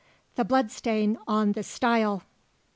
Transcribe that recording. THE BLOODSTAIN ON THE STILE.